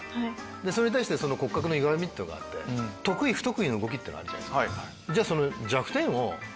それに対して骨格のゆがみっていうのがあって得意不得意の動きっていうのがあるじゃないですか。